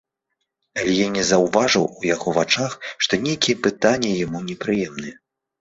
Але я не заўважыў ў яго вачах, што нейкія пытанні яму непрыемныя.